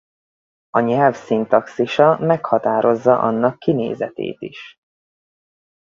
A nyelv szintaxisa meghatározza annak kinézetét is.